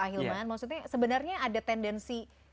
ahilman maksudnya sebenarnya ada tendensi